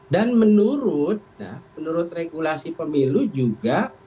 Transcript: dan menurut regulasi pemilu juga